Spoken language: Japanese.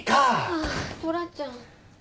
ああトラちゃん。